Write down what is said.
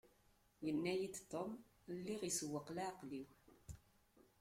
Yenna-yi-d Tom lliɣ isewweq leεqel-iw.